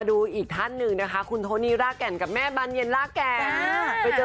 ดูอีกท่านหนึ่งนะคะคุณโทนี่ราแก่นกับแม่บานเย็นล่าแก่นไปเจอ